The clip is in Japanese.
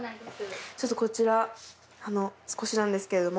こちら少しなんですけれども。